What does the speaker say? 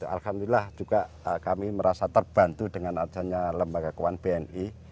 alhamdulillah juga kami merasa terbantu dengan adanya lembaga keuangan bni